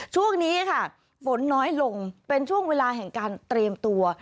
ช่วงนี้ค่ะฝนน้อยลงเป็นช่วงเวลาแห่งการเตรียมตัว